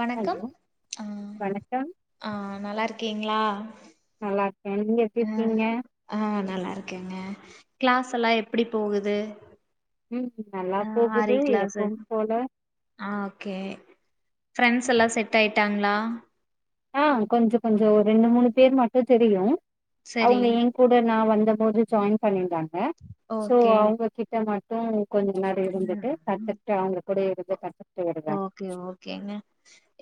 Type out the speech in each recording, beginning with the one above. வணக்கம் ஹலோ அ வணக்கம் ஆ நல்லா இருக்கீங்களா நல்லா இருக்கே நீங்க எப்டி அ இருக்கீங்க அ நல்லா இருக்கேங்க கிளாஸ் எல்லா எப்பிடி போகுது ம் நல்லா ஆ போகுது ஆரி க்ளாஸு எப்பவும் போல ஆ ஓகே ஃப்ரெண்ட்ஸ் எல்லா செட் ஆயிட்டாங்களா ஆ கொஞ்ச கொஞ்சோ ஒரு ரெண்டு மூணு பேர் மட்டு தெரியு சரி அவுங்க ஏ கூட நா வந் த போது ஜாயின் பண்ணிருந்தாங்க சோ ஓகே அவுங்க கிட்ட மட்டு கொஞ்ச நேர ம் இருந்துட்டு ம் கத்துக்கிட்டு அவுங்க கூடயே இருந்து கத்துக்கிட்டு வருவே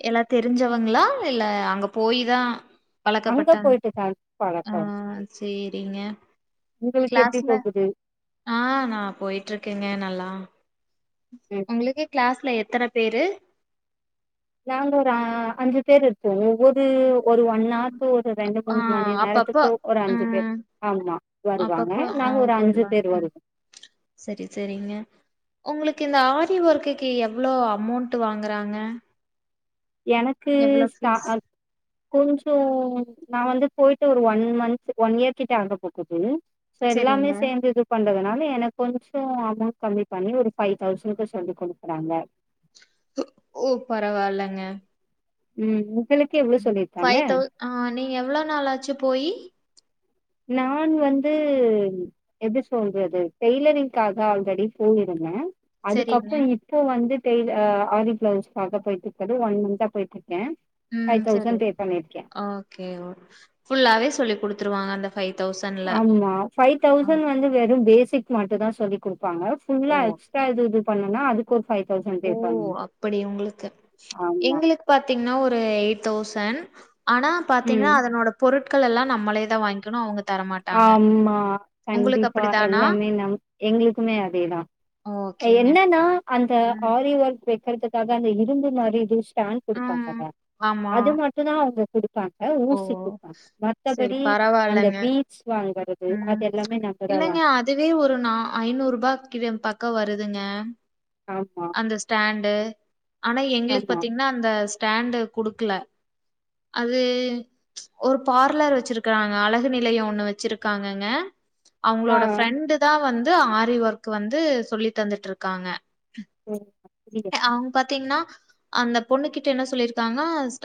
நல்லா தெரிஞ்சவங்களா இல்ல அங்க போயிதா அங்க பழக்கப்பட்டன் போயிட்டு தா ஆ பழக்கோ சேரிங்க உங்களுக்கு எப்டி கிளாஸ்ல போகுது ஆ நா போயிட்டு இருக்கேங்க நல்லா ம் உங்களுக்கே கிளாஸ்ல எத் எத்தன பேரு நாங்க ஒரு அ அஞ்சு பேர் இருப்போ ஒவ்வொரு ஒரு ஒன் ஆர்க்கு ஒரு ரெண்டு ஆ மூணு மணி அப்பப்போ நேரத்துக்கு ஒரு அஞ்சு ம் பேர் ஆமா வருவாங்க அப்பப்போ நாங்க ஒரு அஞ்சு பேரு வருவோ செரி செரிங்க உங்களுக் கு இந்த ஆரி ஒர்க்குக்கு எவ்ளோ அமௌண்ட் வாங்குறாங்க எனக்கு எவ்ளோ ஸ்டா ஃபீஸ்? அ கொஞ்சோ நா வந்து போயிட்டு ஒரு ஒன் மந்த் ஒன் இயர் கிட்ட ஆகப் போகுது சோ எல்லாமே சரிங்க. சேந்து இது பண்றதுனால எனக்கு கொஞ்சோ அமௌண்ட் கம்மி பண்ணி ஒரு ஃபைவ் தௌசண்க்கு சொல்லி குடுக்குறாங்க ஓ பரவால்லங்க ம் உங்களுக்கு எவ்ளோ சொல்லிருக்காங்க ஃபைவ் தௌ ஆ நீங்க எவ்ளோ நாளாச்சு போயி நான் வந்து எப்டி சொல்றது டெய்லரிங்க்காக ஆல்ரெடி போயிருந்தே சரிங்க. அதுக்கப்புற இப்போ வந்து டெய் ஆ ஆரி ப்ளவுஸுக்காக போயிட்டு இருக்கது ஒன் மந்த்தா போயிட்டுருக் ம் செரி ஓகே ஃபுல்லாவே சொல்லி் குடுத்துருவாங்க அந்த ஆமா ஃபைவ் ஆ தௌசண்ட் வந்து வெறு பேசிக் மட்டுந்தா சொல்லிக் குடு ப்பாங்க ஃபுல்லா எக்ஸ்ட்ரா ஓகே. இது இது பண்ணோனா அதுக் ஓ அப்பிடி உங்களுக்கு ஆமா. எங்களுக்கு பாத்தீங்கன்னா ஒரு எயிட் தௌசண்ட் ஆனா பாத்தீங்கன்னா ம். அதனோட பொருட்கள் எல்லா நம்மளேதா வாங்கிக்கணு அவுங்க ஆம்மா கண்டிப்பா அப்படிதானா? எல்லாமே நம் எங்களுக்குமே அதேதா ஓகேங்க. என்னன்னா அந்த ம். ஆரி ஒர்க் வெக்கிறதுக்காக அந்த இரும்பு மாரி ஜூஸ் தான் ம். குடுப்பாங்கல்ல ஆமா. அது மட்டுந்தா அவுங்க குடுப்பாங்க ஓ! ஊசி குடுப்பாங்க சரி மத்தபடி அந்த பரவால்லங்க. பீட்ஸ் வாங்குறது, அது ம் எல்லாமே நம்ம தான் இல்லைங்க வாங்கணும். அதுவே ஒரு நா ஐநூறு ரூபாயக் பக்க வரு துங்க ஆமா, அந்த ஸ்டாண்டு ஆனா எங்களுக்கு ஆமா. பாத்தீங்கன்னா அந்த ஸ்டாண்டு் குடுக்கல அது ஒரு பார்லர் வெச்சிருக்கிறாங்க அழகு நிலையோ ஒண்ணு வச்சிருக்காங்கங்க ஆ. அவுங்களோட ஃப்ரெண்டுதா வந்து ஆரி ஒர்க் வந்து சொல்லி தந்துட்டு இருக்காங்க ஓ! அப்படியா? அவுங்க பாத் த்தீங்கனா அந்த பொண்ணு கிட்ட என்ன சொல்லிருக்காங்க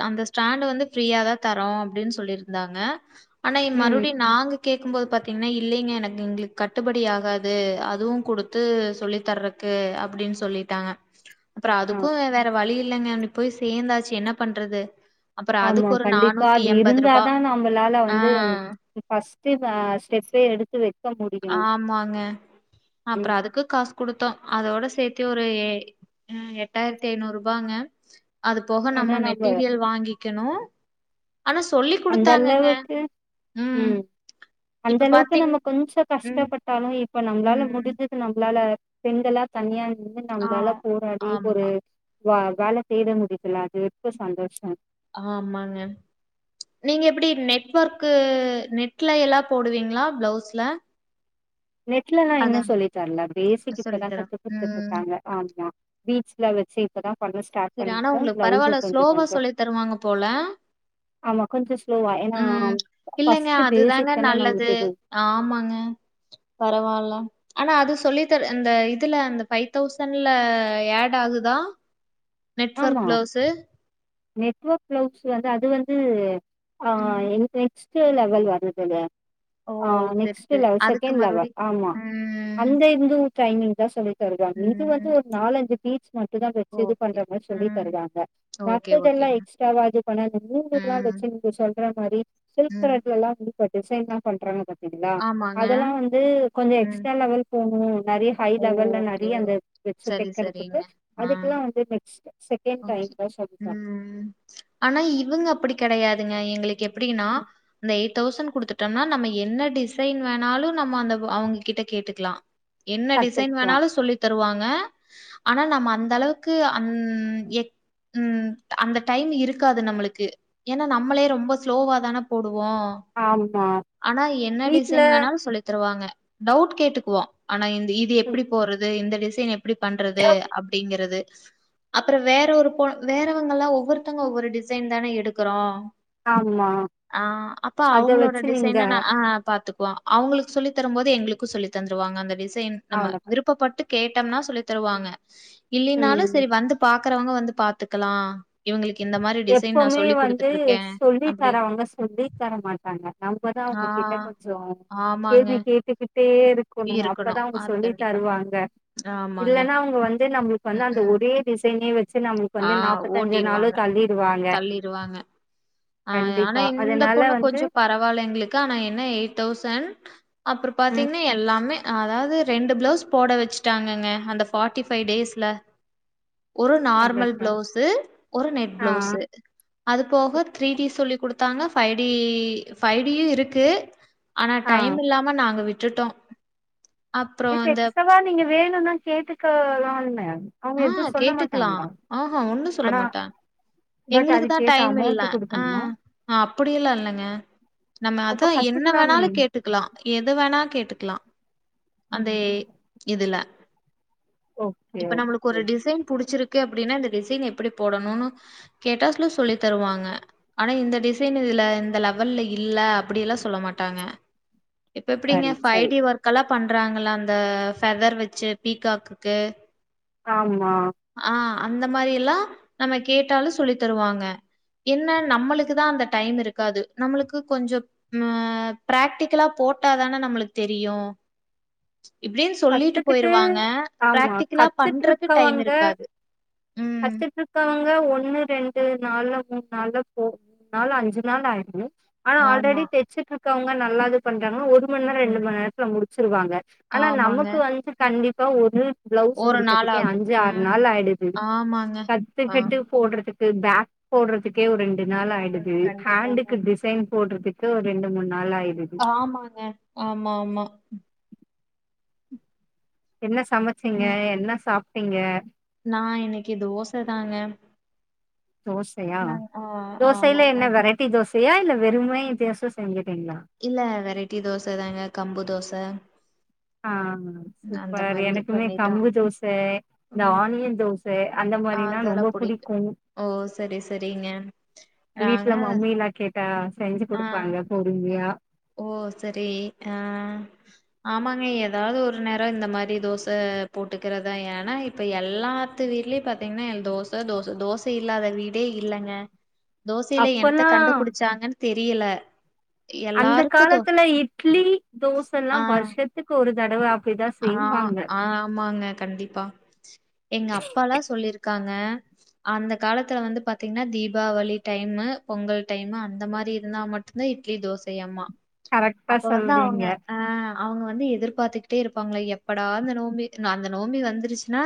அந்த ஸ்டாண்ட் வந்து ஃபிரீயாதா தரோ அப்டின்னு சொ ல்லிருந்தாங்க ஆனா இ ம். மறுபடியு நாங்க கேக்கும்போது பாத்தீங்கன்னா இல்லைங்க எனக்கு எங்களுக்கு கட்டுப்படி ஆகாது அதுவு குடுத்து சொல்லி தர்றக்கு க்கு அப்பிடின்னு சொல்லிட்டாங்க அப்புற ஆ. அதுக்கு வேற வழி இல்லைங்க போய் சேந்தாச்சு என்ன பண்றது அப்புறம் ஆமா அதுக்கு ஒரு ரூ. கண்டிப்பா அது இருந்தாதா நம்மளால ஆ வந்து ஃபஸ்டு அ ஸ்டெப் எடுத்து வச் ஆமாங்க அப்பற ம் அதுக்கு காசு குடுத்தோ அதோட சேத்து ஒரு எட்டாயிரத்தி ஐநூறு ரூபாங்க அது போக நம்ம மெட்டீரியல் வாங்கிக்கணு அந்த அளவுக்கு ம் அந்த இப்ப அளவுக்கு பார்த்தீங் நம்ம கொஞ்சொ ம், கஷ்டப்பட்டாலும் இப்ப நம்ளால ம். முடிதுத்து நம்ளால பெண்களா தனியா இருந்து ஆ நம்மளால போராடி ஒரு ஆமா, வா வேல செய்து முடிக்லா அது வர்கு சந்தோஷம் ஆமாங்க நீங்க எப்டி நெட்வோர்க்கு நெட்ல எல்லா போடுவீங்ளா பிளவுஸ்ல நெட்லல்லா அதா இன்னு சொல்லி தரல பேசிக் சொல்லி இப்பதா தரே கத்து கொத்துட்டு ம் இருக்காங்க ஆமா பீட்ஸ் லா வச்சி இப்பதா பண்ண ஸ்டார்ட் சரி ஆனா பண்ணிருக்கோ உங்களுக்கு பரவால்ல பிளவுஸும் கொஞ்ச ஸ்லோவா கொஞ்சொ சொல்லி தருவாங்க போல ஆமா கொஞ்சொ ஸ்லோவா ஏன்னா ம் இல்லங்க ஃபர்ஸ்ட் அதுதாங்க பேசிக் தான நல்லது நம்ளுக் இது [inaudible] ஆமாங்க பரவால்ல ஆனா அது சொல்லி தர இந்த இதுல இந்த ஃபைவ் தௌசண்ட்ல ஆட் ஆகுதா [inaudible] ஆமா நெட்வொர்க் பிளவுஸு நெட்வொர்க் பிளவுஸ் வந்து அது வந்து ஆ ம் எங்கேச் [unintelligible] லெவல் வராதுங்க ஓ ஆ சரி நெக்ஸ்ட் சரி லெவ் அதுக்கு செகண்ட் லெவ மறுபடி ஆமா ம் அங்க இந்து ட்ரைனிங் தா சொல்லி தருவாங்க இது வந்து ம் ஒரு நாலுஞ்சு பீட்ஸ் மட்டும் தா வச்சு இது ஓகே பண்ற சொல்லி ம் தருவாங்க ஓகே மத்ததெல்லா ஓகேங்க எக்ஸ்ட்ராவாஜ் பண்ணது ம் [unintelligible] நீங்க சொல்ற மாரி சொல் ம் [unintelligible] இப்ப டிசைன்லா பண்றங்க பாத்தீங்களா ஆமாங்க அதெல்லா வந்து கொஞ்ச ம் எக்ஸ்ட்ரா லெவல் போணு நெறைய ஹை லெவல்ல நிறைய ஓகே அந்த வச்சு சரி தைக்கறதுக்கு சரிங்க. ஆ அதுக்கெல்லா வந்து நெக்ஸ்ட் செகண்ட் டைம் ஓகே தா சொல்லி தர ம் ஆனா இவங்க அப்டி கெடையாதுங்க எங்களுக் எப்டின்னா இந்த எய் தௌசண் கொடுத்துட்டோம்னா நம்ம என்ன டிசைன் வேணாலு நம்ம அந்த வ அவங்ககிட்ட கேட்டுக்கலா என்ன டிசைன் கத்துக்கலா வேணாலும் சொல்லி தருவாங்க ஆனா நம்ம அந்த அளவுக்கு அன் எ ம் அந்த டைம் இருக்காது நம்மளுக்கு ஏன்னா நம்மளே ரொம்ப ஸ்லோவா தான போடு வோ ஆமா ஆனா என்ன வீட்ல டிசைன் வேணாலு சொல்லி தருவாங்க டவுட் கேட்டுக்குவோ ஆனா இந்த இது எப்டி போறது இந்த டிசைன் எப்டி பண்றது அப்டிங்கறது அப் அப்ற வேற ஒரு போ வேறவங்க எல்லா ஒவ்வொருத்தவங்க ஒவ்வொரு டிசைன் தான எடுக்றோ ஆமா ஆ அப்பா அத அவங்களோட வச்சு நீங்க டிசைன ந ஆ பாத்துக்கோ வ அவங்களுக்கு சொல்லி தரும் போது எங்களுக்கு சொல்லி தந்துருவாங்க அந்த டிசைன் நம்ம அவ்ளோதா விருப்பப்பட்டு கேட்டம்னா சொல்லி தருவாங்க இல்லைனாலும் ம் சரி வந்து பாக்கறவங்க வந்து பாத்துக்கலாம் இவங்களுக்கு இந்த மாரி டிசைன் நான் எப்பவுமே சொல்லிக் வந்து குடுத்துட்டுருக்கேன். சொல்லி அப்படின்னு. தரவங்க சொல்லி தர மாட்டாங்க நம்மதா ஆ அவங்க கிட்ட கொஞ்சொ ஆமாங்க. கேள்வி கேட்டுக்கிட்டே இருக்கணு இருக்கணும். அப்பதான் அவங்க அது சொல்லி கண்டிப்பா. தருவாங்க ஆமாங்க. இல்லன்னா அவங்க வந்து நம்மளுக்கு வந்து அந்த ம். ஒரே டிசைனே வச்சி நம்மளுக்கு ஆ வந்து நாப்பத்தஞ்சி நாளு ஓட்டிருவாங்க. தள்ளிருவாங்க தள்ளிருவாங்க. ஆ ஆனா இந்த பொண்ணு கொஞ்சொ பரவால்ல எங்களுக்கு ஆனா என்ன எயிட் தௌசன் அப்புற ம் பாத்தீங்கன்னா எல்லாமே அதாவது ரெண்டு பிளவுஸ் போட வச்சுட்டாங்கங்க அந்த ஃபார்ட்டி ஃபைவ் டேஸ்ல ஒரு நார்மல் சந்தோஷோ பிளவுஸு ஒரு நெட் ஆ பிளவுஸு அது போக த்ரீ டி சொல்லி குடுத்தாங்க ஃபைவ் டி ஃபைவ் டியு இருக்கு ஆனா ஆ டைம் இல்லாம நாங்க விட்டுட்டோம் அப்புறம் இப்ப இந்த எக்ஸ்ட்ராவா நீங்க வேணும்னா கேட்டுக்கலானு ஆ கேட்டுக்கலாம் ஆஹா ஒண்ணும் சொல்ல ஆனா மாட்ட பட் எங்களுக்கு தா அதுக்கேத்த டைம் இல்ல அமௌண்ட் ஆ குடுக்கணுமா அப்படி எல்லா இல்லங்க நம்ம அப்ப அத என்ன கத்துக்கலாமே வேணாலு கேட்டுக்கலாம் எது வேணா கேட்டுக்கலாம் அந்த ம் இதுல ஓகே இப்ப நம்மளுக்கு ஒரு ஓகே டிசைன் புடுச்சிருக்கு அப்டினா இந்த டிசைன் எப்டி போடணுனு கேட்டா கிளாஸ்ல சொல்லி தருவாங்க ஆனா இந்த டிசைன் இதுல இந்த லெவல்ல இல்ல அப்டி எல்லா சொல்ல மா ட்டாங்க இப்ப எப்டிங்க சரி ஃபைவ் சரி. டே ஒர்க் எல்லா பண்றாங்கள அந்த ஃபெதர் வெச்சு பீகாக்குக்கு ஆமா ஆ அந்த மாரி எல்லா நம்ம கேட்டாலு சொல்லித் தருவாங்க என்ன நம்மளுக்குதா அந்த டைம் இருக்காது நம்மளுக்கு கொஞ்சோ பிராக்டிகலா போ போட்டாதான நம்மளுக்கு தெரியு இப்டின்னு மம் சொல்லிட்டு கத்துக்கிட்டு போயிருவாங்க ஆமா பிராக்டிகலா பண்றக்கு டைம் கத்துட்டுருக்கவங்க இருக்காது ம் கத்துட்டுருக்கவங்க ஒண்ணு ரெண்டு நாள்ல மூண் நாள்ல போ நாள் அஞ்சு நாள் ஆயிருது ஆனா ஆல்ரெடி ஆமா தெச்சிட்டு இருக்கவங்க நல்லாது பண்றாங்கனா ஒரு மண் நேரோ ரெண்டு ம் மண் நேரத்துல முடிச்சிருவாங்க ஆனா ஆமாங்க. நமக்கு வந்து கண்டிப்பா ஒ ரு பிளவுஸ் ஒரு நாள் முடிக்கிறதுக்கே ஆகும். அஞ்சு ஆறு ம். நாள் ஆயிடுது ஆமாங்க. கத்துக்கிட்டு ஆமா. போடுறது க்கு பேக் போடுறதுக்கே ஒரு ரெண்டு நாள் ஆ, ஆயிடுது கண்டிப்பாங்க. ஹேண்டுக்கு டிசைன் போடுறதுக்கு ஒரு ரெண்டு மூணு ஆமாங்க ஆமாமா என்ன சமைச்சீங்க என்ன சாப்ட்டீங்க நா இன்னைக்கு தோச தாங்க தோசயா நாங்க ஆ, தோசைல ஆமாங்க. என்ன வெரைட்டி தோசையா இல்ல வெறுமே தோசை செ இல்ல வெரைட்டி தோசதாங்க கம்பு தோச ஆ ம் அந்த சூப்பர் மாரி எனக்குமே பண்ணிட்டோம். கம்பு தோச இந்த ம். ஆனியன் தோச அந்த மாரி எல்லா ரொம்ப அதெல்லாம் புடிக்கு புடிக்கும். ஓ சரி சரிங்க ஆங்க வீட்ல மம்மிலா கேட்டா செஞ்சு குடுப்பாங்க பொறுமியா ஓ செரி ஆ ஆமாங்க எதாவது ஒரு நேரோ இந்த மாரி தோச போட்டுக்கிறதா ஏனா இப்ப எல்லாத்து வீட்லயு பாத்தீங்கனா தோச தோச தோச இல்லாத வீ டே இல்லங்க தோசைல என்னத்த அப்பல்லா கண்டுபுடுச்சாங்கனு தெரியல எல்லா அந்த காலத்துல இட்லி, தோச எல்லா ஆ வருஷத்துக்கு ஒரு தடவ அப்டிதா ஆ செய்வாங்க ஆமாங்க கண்டிப்பா எங்க அப்பால்லா சொல்லிருக்காங்க அந்த காலத்துல வந்து பாத்தீங்கன்னா தீபாவளி டைமு பொங்கல் டைம் அந்த மாரி இருந்தா ம ட்டுந்தா இட்லி, தோசையாமா கரெக்டா அப்ப வந்து அவுங்க சொல்றீங்க அ அவுங்க வந்து எதிர்பாத்து ட்டு இருப்பாங்களா எப்படா அந்த நோம்பி அந்த நோம்பி வந்துருச்சுனா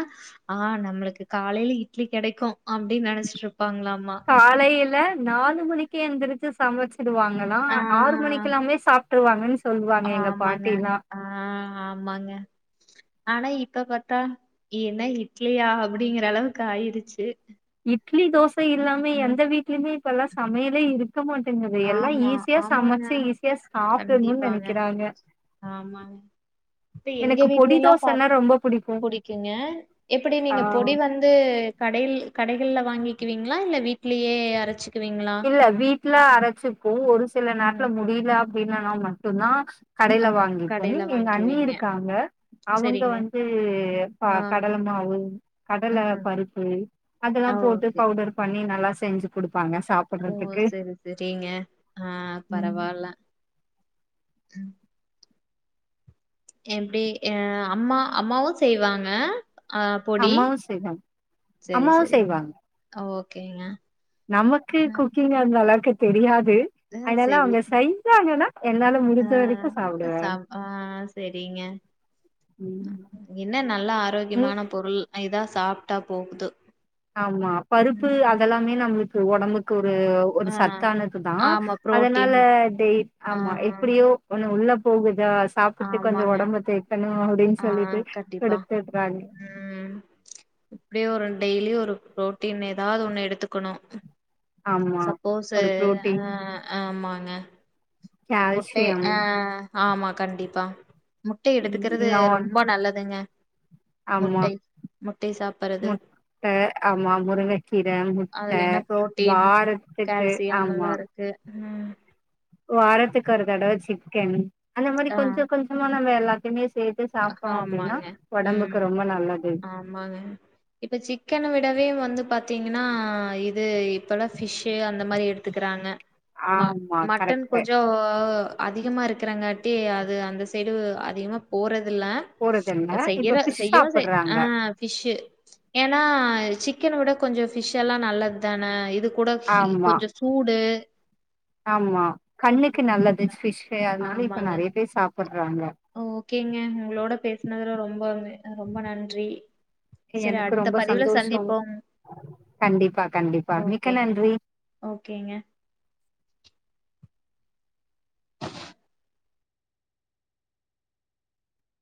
ஆ நம்மளுக்கு காலைல இட்லி கெடைக்கு அப்டினு நெனச்சிட்டுரு காலைல நாலு மணிக்கே எந்திரிச்சு சமைச் சிடுவாங்களா ஆ ஆறு மணிக்கெல்லாமே சாப்ட்டுருவாங்கனு ஆமாங்க ஆ ஆமாங்க ஆனா இப்ப பாத்தா என்ன இட்லியா அப்டிங்கிற அளவுக்கு ஆயிருச்சு இட்லி தோசை இல்லாமே ம். எந்த வீட்லமே இப்ப எல்லா சமயலே இரு க்க மாட்டேங்குது எல்லா ஆமா, ஈஸியா ஆமாங்க. சமச்சு ஈஸியா சாப்ட்டுணுனு நெனக்கிறாங்க ஆமா இப்ப எங்க வீட்ல பொடி எல்லா பா தோசன்னா ரொம்ப புடிக்கு புடிக்குங்க எப்டி ஆ நீங்க பொடி வந்து கடை கடைகள்ல வாங்கிக்குவீங்ளா இல்ல வீட்லயே அரைச்சுக்குவீங்ளா இல்ல வீட்ல அரச்சுப்போ ஒரு சில நாட்ல முடில அப்டின்னா மட்டுந்தா கடைல ஆ வாங்கிப்போ கடையில எங்க அண்ணி வாங்கிக்குவீங்க. இருக்காங்க அவுங்க சரிங்க. வந்து ஆ. கடல மாவு கடல ம். பருப்பு அதெல்லா ஆ போட்டு ஓகே. பவுடர் பண்ணி நல்லா செஞ்சு குடுப்பாங்க ஓ சாப்புட்றதுக்கு செரி செரிங்க அ பரவால்ல உம் எப்டி அ அம்மா அம்மாவு செய்வாங்க அ பொடி அம்மாவு செய்வாங்க செரி அம்மாவு செரிங் செய்வாங்க ஓகேங்க நமக்கு அ குக்கிங் அந்தளவுக்கு தெரியாது அதல சரி. அவுங்க செய்ஞ்சாங்கன்னா அ சாப் அ செரிங்க ம் என்ன நல்லா ம் ஆரோக்கியமான பொருள் இதா சாப்டா போது ஆமா பருப்பு அதெலாமே நம்ளுக்கு ஒடம்புக்கு ஒரு ஒரு ஆ சத்தானதுதா ஆமா அதனால புரோட்டீன். டெய் ஆ ஆமா எப்படியோ ஒன்னு உள்ளப் போகுதா சாப்டுட்டு கொஞ்ச ஆமாங்க. ஒடம்ப தேத்தணு ஆ கண்டிப்பா உம் இப்டியே ஒரு டெய்லி ஒரு ரோட்டின் ஏதாது ஒன்னு எடுத்துக்கணு ஆமா சப்போஸ்சு ஒரு புரோட்டீன் அ ஆமாங்க முட்டை கால்சியம் அ ஆமா கண்டிப்பா முட்டை எடுத்துக்கிறது நான் ரொம்ப நல்லதுங்க முட்டை முட்டை சாப்பறது ட்ட ஆமா முருங்கக்கீர முட்ட அதுல என்ன புரோட்டீன் வாரத்துக்கு ஆம்மா உம் வாரத்துக்கு ஒரு தட சிக்கன் அந்த மாரி ஆ கொஞ்ச கொஞ்சமா நம்ம எல்லாத்திமே சேத்து சாப்டோ அப்டினா ஆமாங்க ம் ஒடம்புக்கு ரொம்ப நல்லது ஆமாங்க இப்ப சிக்கன விடவே வந்து பாத்தீங்னா இது இப்பலா ஃபிஷ்சு அந்த மாரி எடுத்துகிறாங்க ம ஆமா மட்டன் கரெக்ட் கொஞ்சோ அதிகமா இருக்கிறாங்காட்டி அது அந்த சைடு அதிகமா போறது தில்ல போறதில்ல செய்யற இப்ப ஃபிஷ் செய்யவு செய் அ சாப்புட்றாங்க ஃபிஷ்சு ஏனா சிக்கன விட கொஞ்ச ஃபிஷ்செல்லா நல்லத்தானே இது கூட ஹி ஆமா கொஞ்ச சூடு ஆமா கண்ணுக்கு நல்லது ஃபிஷு அதனால இப்ப ஆமாங்க நெறைய பேர் சாப் ஓகேங்க உங்ளோட பேசுனதுல ரொம்ப வெ அ ரொம்ப நன்றி செரி எனக்கு அடுத்த ரொம்ப பதிவுல சந்தோஷோ சந்திப்போம் கண்டிப்பா கண்டிப்பா மிக்க ஓகேங்க நன்றி ஓகேங்க